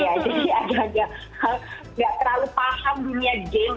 jadi agak agak gak terlalu paham dunia game gitu